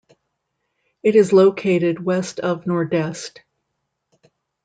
It is located west of Nordeste.